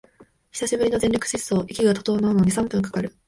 久しぶりの全力疾走、息が整うのに三分かかる